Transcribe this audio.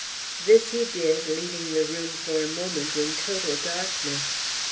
This he did, leaving the room for a moment in total darkness.